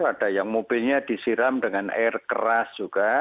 ada yang mobilnya disiram dengan air keras juga